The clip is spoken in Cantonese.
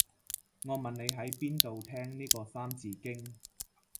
我問你喺邊度聽呢個三字經